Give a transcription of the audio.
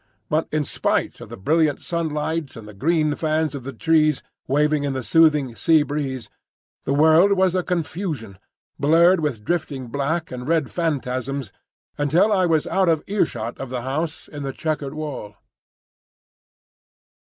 But in spite of the brilliant sunlight and the green fans of the trees waving in the soothing sea breeze, the world was a confusion, blurred with drifting black and red phantasms, until I was out of earshot of the house in the chequered wall.